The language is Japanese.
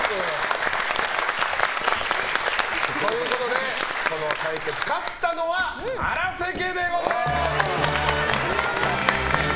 ということで、この対決勝ったのは荒瀬家でございます！